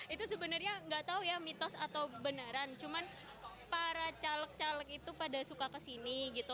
itu sebenarnya nggak tahu ya mitos atau beneran cuman para caleg caleg itu pada suka kesini gitu